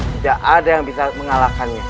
tidak ada yang bisa mengalahkannya